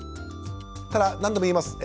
ただ何度も言います。